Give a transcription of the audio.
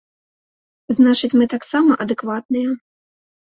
Значыць, мы таксама адэкватныя.